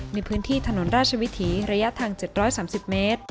ในพื้นที่ถนนราชวิถีระยะทาง๗๓๐เมตร